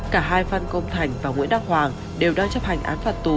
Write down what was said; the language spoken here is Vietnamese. cả hai phan công thành và nguyễn đắc hoàng đều đang chấp hành án phạt tù